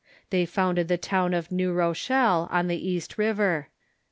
They founded the town of New Rochelle, on the East River.